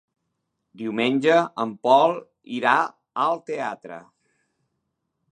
Diumenge en Pol irà al teatre.